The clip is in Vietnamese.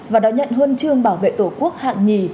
và đón nhận huân chương bảo vệ tổ quốc hạng nhì